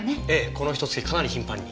このひと月かなり頻繁に。